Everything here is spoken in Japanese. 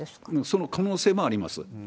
その可能性もあります。